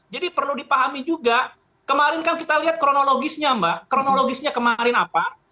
jadi perlu dipahami juga kemarin kan kita lihat kronologisnya mbak kronologisnya kemarin apa